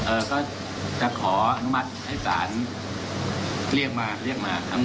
เอ่อก็จะขอน้ำมัดให้สารเรียกมาเรียกมา